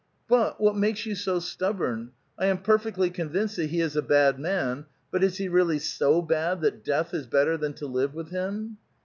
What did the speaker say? '*• But what makes you so stubborn? I am perfectly con vinced that he is a bad man ; but is he really so bad that death is better than to live with him